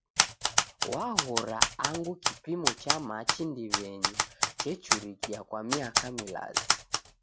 Waghora angu kipimo cha machi ndiw'enyi chechurikia kwa miaka milazi